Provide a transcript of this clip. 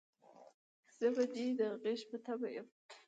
زه به دې د غږ په تمه يم